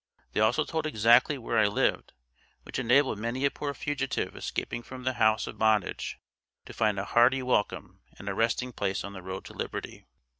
They also told exactly where I lived, which enabled many a poor fugitive escaping from the house of bondage, to find a hearty welcome and a resting place on the road to liberty.